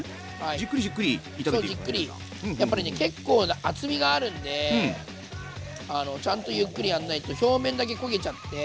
やっぱりね結構な厚みがあるんでちゃんとゆっくりやんないと表面だけ焦げちゃって。